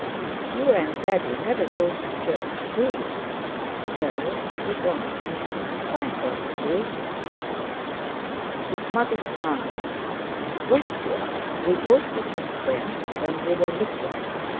You and Daddy never go to church, do you?" "No, we don't." "Why don't you?" His mother smiled. "Well, dear, we both of us went when we were little.